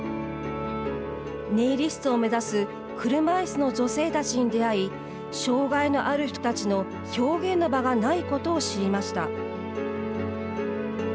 ネイリストを目指す車いすの女性たちに出会い障害のある人たちの表現の場がないことを知りました。